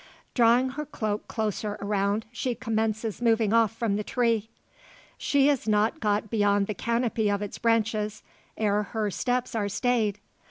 Drawing her cloak closer around, she commences moving off from the tree. She is not got beyond the canopy of its branches, ere her steps are stayed.